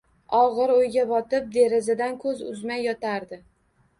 Og‘ir o‘yga botib derazadan ko‘z uzmay yotardi.